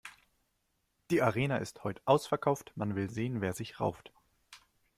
Die Arena ist heut' ausverkauft, man will sehen, wer sich rauft.